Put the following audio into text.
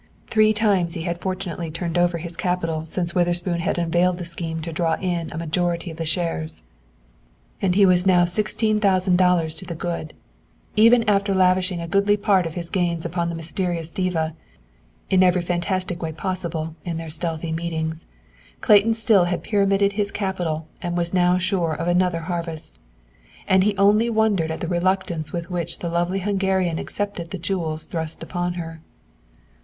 Three times he had fortunately turned over his capital since Witherspoon had unveiled the scheme to draw in a majority of the shares, and he was now sixteen thousand dollars to the good. Even after lavishing a goodly part of his gains upon the mysterious diva, in every fantastic way possible, in their stealthy meetings, Clayton still had pyramided his capital and now was sure of another harvest. And he only wondered at the reluctance with which the lovely Hungarian accepted the jewels thrust upon her.